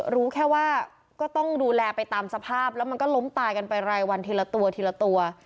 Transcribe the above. รู้แค่ว่าก็ต้องดูแลไปตามสภาพแล้วมันก็ล้มตายกันไปรายวันทีละตัวทีละตัว